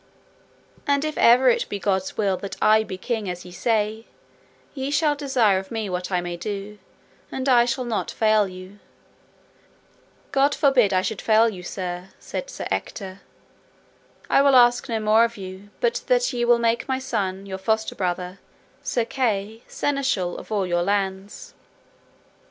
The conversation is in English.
And if ever it be God's will that I be king as ye say, ye shall desire of me what I may do, and I shall not fail you; God forbid I should fail you Sir, said Sir Ector, I will ask no more of you, but that ye will make my son, your foster brother, Sir Kay, seneschal of all your lands.